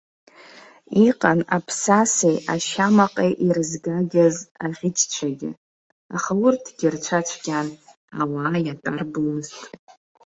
Иҟан аԥсасеи ашьамаҟеи ирызгагаз аӷьычцәагьы, аха урҭгьы рцәа цәгьан, ауаа иатәарбомызт.